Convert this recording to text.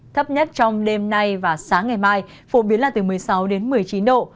thấp nhất trong đêm nay và sáng ngày mai phổ biến là từ một mươi sáu đến một mươi chín độ